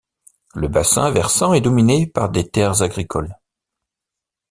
Le bassin versant est dominée par des terres agricoles.